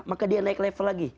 maka dia naik level lagi